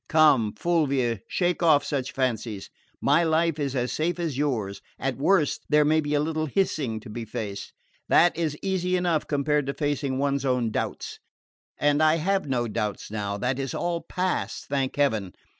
"Come, Fulvia, shake off such fancies. My life is as safe as yours. At worst there may be a little hissing to be faced. That is easy enough compared to facing one's own doubts. And I have no doubts now that is all past, thank heaven!